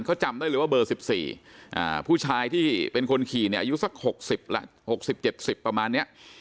เขาจำได้เลยว่าเบอร์๑๔ผู้ชายที่เป็นคนขี่เนี่ยอายุสัก๖๐ละ๖๐๗๐ประมาณนี้